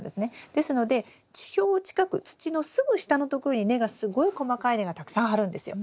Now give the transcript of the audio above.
ですので地表近く土のすぐ下のところに根がすごい細かい根がたくさん張るんですよ。